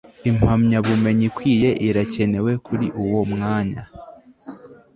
impamyabumenyi ikwiye irakenewe kuri uwo mwanya